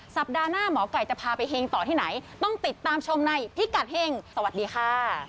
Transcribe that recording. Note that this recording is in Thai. สัปดาห์หน้าหมอไก่จะพาไปเฮงต่อที่ไหนต้องติดตามชมในพิกัดเฮงสวัสดีค่ะ